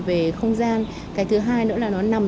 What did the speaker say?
về không gian cái thứ hai nữa là nó nằm